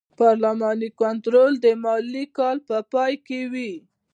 پارلماني کنټرول د مالي کال په پای کې وي.